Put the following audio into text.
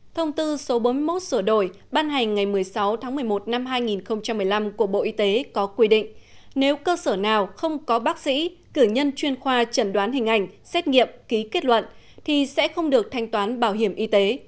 thông tư số bốn mươi một sửa đổi ban hành ngày một mươi sáu tháng một mươi một năm hai nghìn một mươi năm của bộ y tế có quy định nếu cơ sở nào không có bác sĩ cử nhân chuyên khoa trần đoán hình ảnh xét nghiệm ký kết luận thì sẽ không được thanh toán bảo hiểm y tế